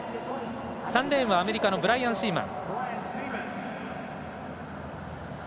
３レーンはアメリカのブライアン・シーマン。